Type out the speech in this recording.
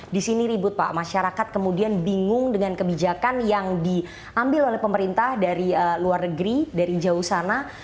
di sini ribut pak masyarakat kemudian bingung dengan kebijakan yang diambil oleh pemerintah dari luar negeri dari jauh sana